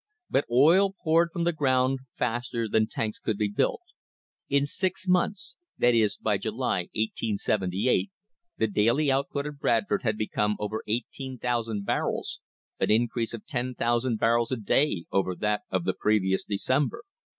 * But oil poured from the ground faster than tanks could be built. In six months — that is, by July, 1878, — the daily output of Bradford had become over 18,000 barrels, an increase of 10,000 barrels a day over that of the previous December.